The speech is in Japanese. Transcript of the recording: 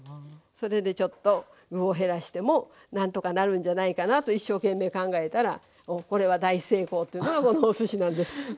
それでちょっと具を減らしてもなんとかなるんじゃないかなと一生懸命考えたら「お！これは大成功」というのがこのおすしなんです。